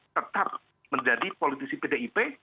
tetap menjadi politisi pdip